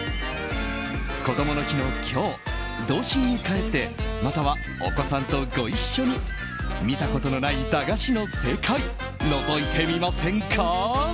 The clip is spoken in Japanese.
こどもの日の今日童心に帰ってまたは、お子さんとご一緒に見たことのない駄菓子の世界のぞいてみませんか？